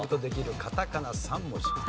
カタカナ３文字です。